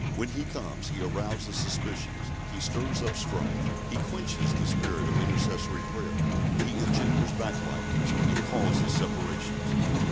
When he comes, he arouses suspicions, he stirs up strife, he quenches the spirit of intercessory prayer, he engenders backbitings, and causes separations.